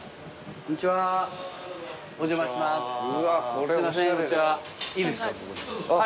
こんにちは。